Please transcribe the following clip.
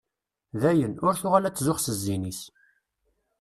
Dayen, ur tuɣal ad tzuxx s zzin-is.